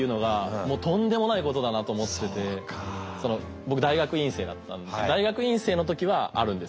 僕大学院生だった大学院生の時はあるんです